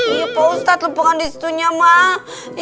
iya pak ustadz lepongan di situnya mak